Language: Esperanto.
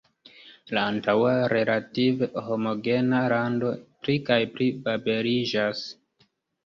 La antaŭa relative homogena lando pli kaj pli babeliĝas.